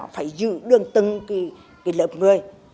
phải giữ được từng lập người